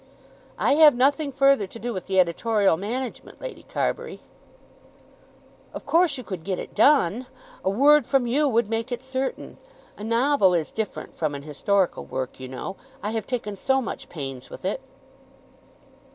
"I have nothing further to do with the editorial management, Lady Carbury." "Of course you could get it done. A word from you would make it certain. A novel is different from an historical work, you know. I have taken so much pains with it."